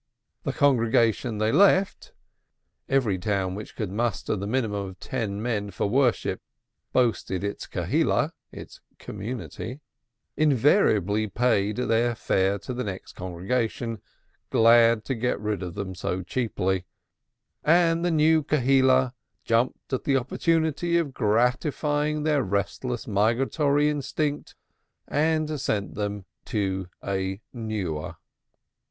The congregation they left (every town which could muster the minimum of ten men for worship boasted its Kehillah) invariably paid their fare to the next congregation, glad to get rid of them so cheaply, and the new Kehillah jumped at the opportunity of gratifying their restless migratory instinct and sent them to a newer.